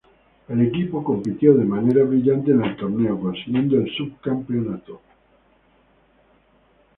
El equipo compitió de manera brillante en el torneo consiguiendo el subcampeonato.